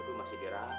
ini rumah si dirah